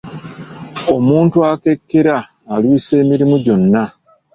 Omuntu akekkera alwisa emirimu gyonna.